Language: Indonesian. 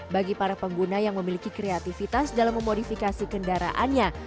bagi para pengguna yang memiliki kreativitas dalam memodifikasi kendaraannya